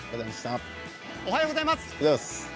おはようございます。